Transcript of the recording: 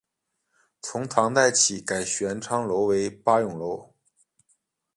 从唐代起改玄畅楼为八咏楼。